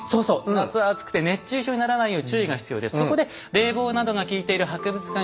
夏は暑くて熱中症にならないよう注意が必要です。